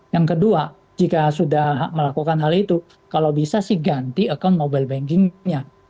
yang kedua jika sudah melakukan hal itu kalau bisa sih ganti account mobile bankingnya